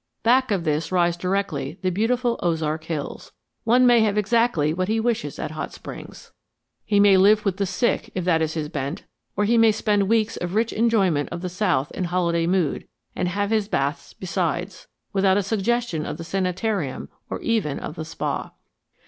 Back of this rise directly the beautiful Ozark hills. One may have exactly what he wishes at Hot Springs. He may live with the sick if that is his bent, or he may spend weeks of rich enjoyment of the South in holiday mood, and have his baths besides, without a suggestion of the sanitarium or even of the spa.